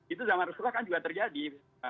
itu zaman resturah kan juga terjadi